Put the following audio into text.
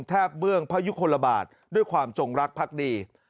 เบื้องพระยุคลบาทด้วยความจงรักพักดี